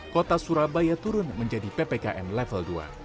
kota surabaya turun menjadi ppkm level dua